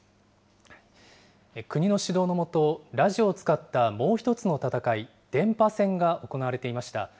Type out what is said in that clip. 国の指導の下、ラジオを使ったもう１つの戦い、電波戦が行われていました。